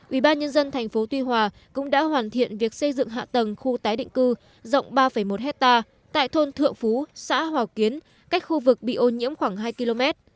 ubnd tp tuy hòa cũng đã hoàn thiện việc xây dựng hạ tầng khu tái định cư rộng ba một hectare tại thôn thượng phú xã hòa kiến cách khu vực bị ô nhiễm khoảng hai km